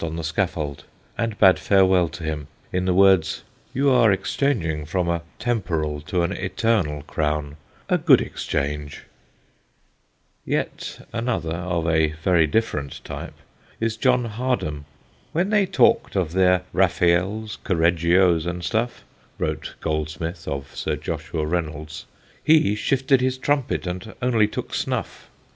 on the scaffold and bade farewell to him in the words "You are exchanging from a temporal to an eternal crown a good exchange." [Sidenote: HARDHAM'S SNUFF] Yet another, of a very different type, is John Hardham. "When they talked of their Raphaels, Correggios, and stuff," wrote Goldsmith of Sir Joshua Reynolds, He shifted his trumpet, and only took snuff.